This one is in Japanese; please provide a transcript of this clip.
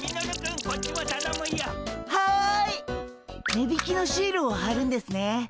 値引きのシールをはるんですね。